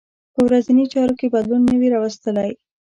په ورځنۍ چارو کې بدلون نه وي راوستلی.